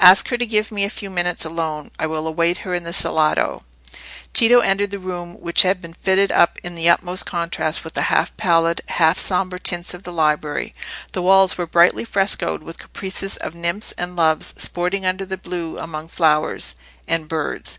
"Ask her to give me a few minutes alone; I will await her in the salotto." Tito entered a room which had been fitted up in the utmost contrast with the half pallid, half sombre tints of the library. The walls were brightly frescoed with "caprices" of nymphs and loves sporting under the blue among flowers and birds.